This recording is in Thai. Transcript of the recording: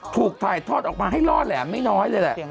ถูกถ่ายทอดออกมาให้ล่อแหลมไม่น้อยเลยแหละ